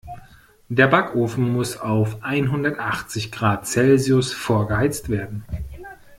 Der Backofen muss auf einhundertachzig Grad Celsius vorgeheizt werden.